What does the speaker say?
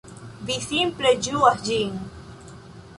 Vi simple ĝuas ĝin.